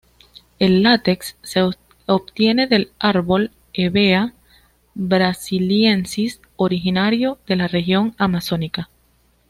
El látex se obtiene del árbol Hevea brasiliensis, originario de la región amazónica.